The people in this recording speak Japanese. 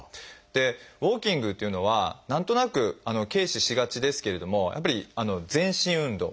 でウォーキングというのは何となく軽視しがちですけれどもやっぱり全身運動